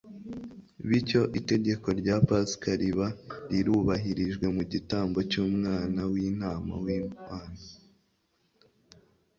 Bityo itegeko rya Pasika riba rirubahirijwe mu gitambo cy'umwana w'intama w'Imana